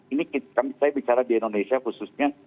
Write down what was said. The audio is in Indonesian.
ini saya bicara di indonesia khususnya